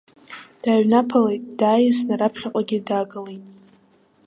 Дааҩнаԥалеит, дааиасны раԥхьаҟагьы даагылеит.